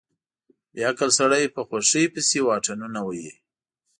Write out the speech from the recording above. بې عقل سړی په خوښۍ پسې واټنونه وهي.